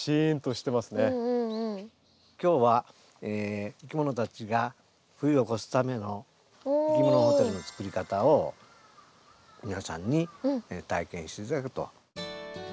今日はいきものたちが冬を越すためのいきものホテルの作り方を皆さんに体験して頂くと。